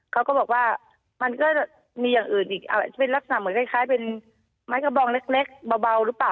เขาก็บอกว่ามันก็จะมีอย่างอื่นอีกเป็นลักษณะเหมือนคล้ายเป็นไม้กระบองเล็กเบาหรือเปล่า